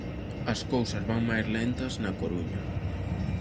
As cousas van máis lentas na Coruña.